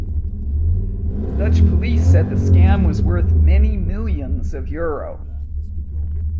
Dutch police said the scam was worth 'many millions of euro'.